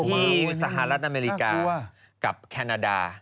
สหรัฐอเมริกากับแคนาดา